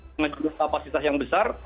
dengan jumlah kapasitas yang besar